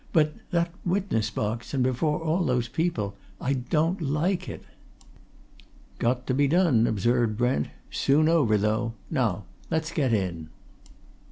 "But that witness box, and before all these people I don't like it." "Got to be done," observed Brent. "Soon over, though. Now let's get in."